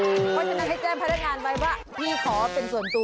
เพราะฉะนั้นให้แจ้งพนักงานไว้ว่าพี่ขอเป็นส่วนตัว